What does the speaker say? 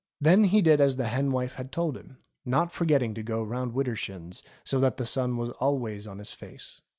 Then he did as the hen wife had told him, not forgetting to go round widershins, so that the sun was always on his face.